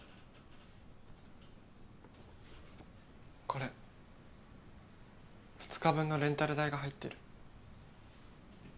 これ２日分のレンタル代が入ってる。